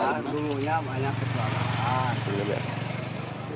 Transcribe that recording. iya dulunya banyak keselamatan